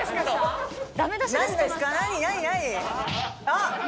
あっ！